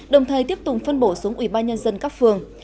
đồng thời tiếp tục phân bổ xuống ủy ban nhân dân các phường